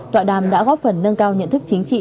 tọa đàm đã góp phần nâng cao nhận thức chính trị